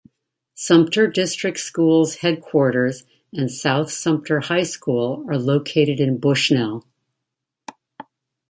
Sumter District Schools headquarters and South Sumter High School are located in Bushnell.